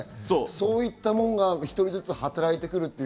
そういったものが１人ずつ働いてくる。